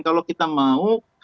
kalau kita mau